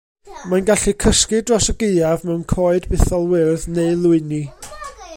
Mae'n gallu cysgu dros y gaeaf mewn coed bytholwyrdd neu lwyni.